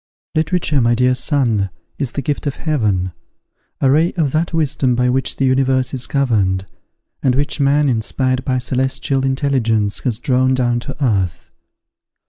"Literature, my dear son, is the gift of Heaven, a ray of that wisdom by which the universe is governed, and which man, inspired by a celestial intelligence, has drawn down to earth.